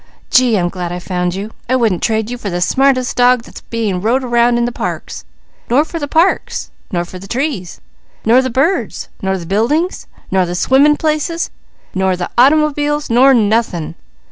Gee, I'm glad I found you! I wouldn't trade you for the smartest dog that's being rode around in the parks. Nor for the parks! Nor the trees! Nor the birds! Nor the buildings! Nor the swimming places! Nor the automobiles! Nor nothing!